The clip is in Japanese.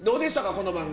この番組。